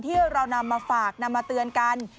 ที่เรานำมาฝากนำมาเตือนกัน